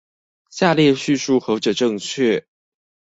下列敘述何者正確？